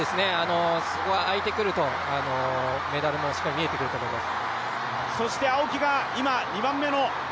そこは開いてくると、メダルは少し見えてくると思います。